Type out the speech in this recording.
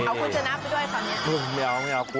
ขอบคุณจะนับด้วยตอนนี้ค่ะ